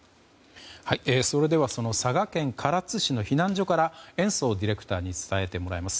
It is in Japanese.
それではその佐賀県唐津市の避難所から延増ディレクターに伝えてもらいます。